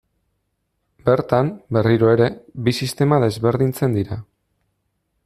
Bertan, berriro ere, bi sistema desberdintzen dira.